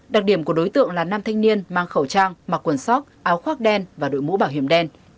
đặc điểm của đối tượng là nam thanh niên mang khẩu trang mặc quần sóc áo khoác đen và đội mũ bảo hiểm đen